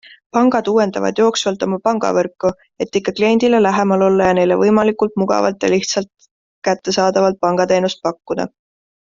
Pangad uuendavad jooksvalt oma pangavõrku, et ikka kliendile lähemal olla ja neile võimalikult mugavalt ja lihtsalt kättesaadavat pangateenust pakkuda.